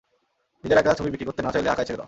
নিজের আঁকা ছবি বিক্রি করতে না চাইলে আঁকাই ছেড়ে দাও।